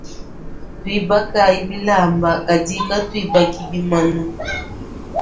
Tuibakayi bilaamba kadi katuibaki bimanu.